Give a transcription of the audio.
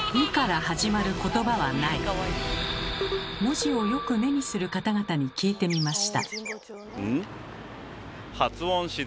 文字をよく目にする方々に聞いてみました。